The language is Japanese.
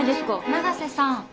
永瀬さん。